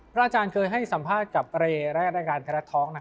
พระอาจารย์เคยให้สัมภาษณ์กับเรย์รายรายการแทรกท้อง